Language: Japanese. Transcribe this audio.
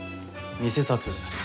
偽札。